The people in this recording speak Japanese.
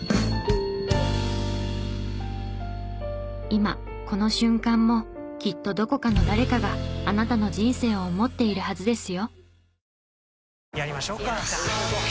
今この瞬間もきっとどこかの誰かがあなたの人生を思っているはずですよ。